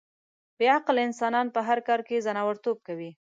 بې عقل انسانان په هر کار کې ځناورتوب کوي.